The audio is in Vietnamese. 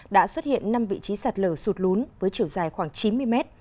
đã xuất hiện năm vị trí sạt lở sụt lún với chiều dài khoảng chín mươi mét